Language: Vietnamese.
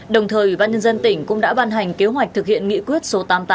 đồng thời văn dân tỉnh cũng đã ban hành kế hoạch thực hiện nghị quyết số tám mươi tám